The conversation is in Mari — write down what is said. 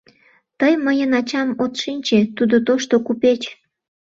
Тый мыйын ачам от шинче, тудо тошто купеч.